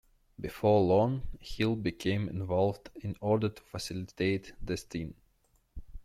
Before long, Hill became involved in order to facilitate the sting.